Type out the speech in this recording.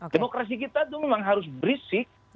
demokrasi kita itu memang harus berisik